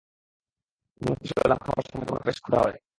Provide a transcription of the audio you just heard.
জেনে খুশী হলাম খাবার সময় তোমার বেশ ক্ষুধা হয়।